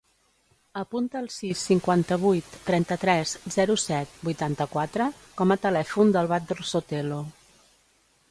Apunta el sis, cinquanta-vuit, trenta-tres, zero, set, vuitanta-quatre com a telèfon del Badr Sotelo.